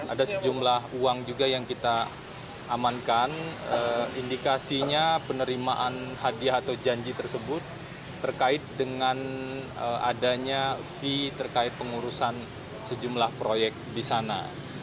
ada sejumlah uang juga yang kita amankan indikasinya penerimaan hadiah atau janji tersebut terkait dengan adanya fee terkait pengurusan sejumlah proyek di sana